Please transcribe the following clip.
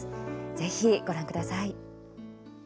ぜひ、ご覧ください。